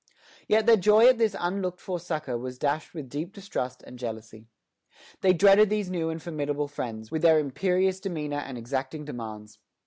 Yet their joy at this unlooked for succor was dashed with deep distrust and jealousy. They dreaded these new and formidable friends, with their imperious demeanor and exacting demands.